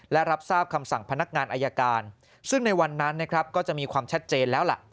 และรับทราบคำสั่งพนักงานอายการซึ่งในวันนั้นนะครับก็จะมีความชัดเจนแล้วล่ะ